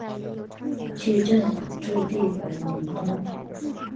区政府驻地为农通。